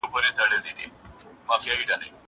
زه به اوږده موده کتابتون ته تللي وم!؟